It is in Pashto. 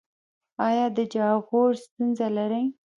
ایا د جاغور ستونزه لرئ؟